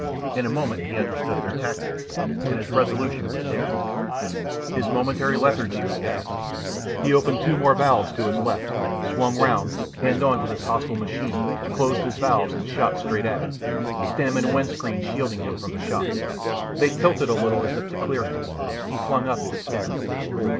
In a moment he understood their tactics, and his resolution was taken. His momentary lethargy was past. He opened two more valves to his left, swung round, end on to this hostile machine, closed his valves, and shot straight at it, stem and wind screen shielding him from the shot. They tilted a little as if to clear him. He flung up his stem.